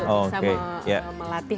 untuk bisa melatih